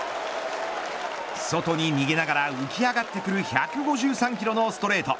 外に逃げながら浮き上がってくる１５３キロのストレート。